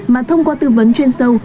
mà thông qua tư vấn chuyên sâu